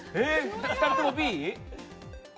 ２人ともＢ。